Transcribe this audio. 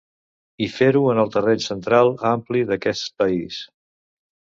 I fer-ho en el terreny central ampli d’aquest país.